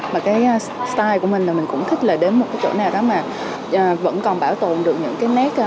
mà cái style của mình là mình cũng thích là đến một cái chỗ nào đó mà vẫn còn bảo tồn được những cái nét